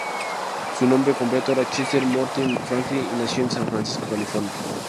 Su nombre completo era Chester Mortimer Franklin, y nació en San Francisco, California.